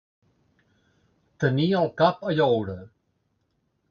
Tenir el cap a lloure.